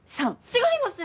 違います！